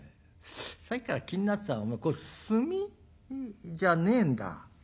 さっきから気になってたお前これ墨？じゃねえんだ。